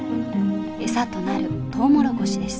餌となるトウモロコシです。